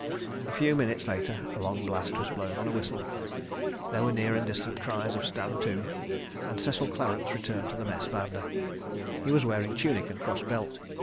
A few minutes later a long blast was blown on a whistle, there were near and distant cries of "Stand to," and Cecil Clarence returned to the Mess banda. He was wearing tunic and cross belt.